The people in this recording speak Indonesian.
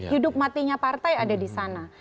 hidup matinya partai ada di sana